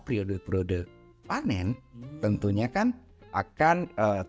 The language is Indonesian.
beras itu kan produksinya misalnya ada di jawa barat